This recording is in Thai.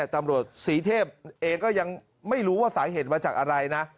ตำรวจศรีเทพเองก็ยังไม่รู้ว่าสาเหตุมาจากอะไรนะ